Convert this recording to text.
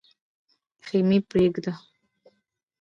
خېمې پرېږدو.